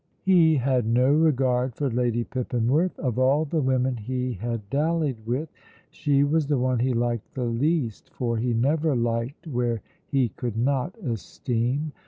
He had no regard for Lady Pippinworth. Of all the women he had dallied with, she was the one he liked the least, for he never liked where he could not esteem.